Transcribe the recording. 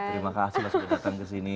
terima kasih mas untuk datang kesini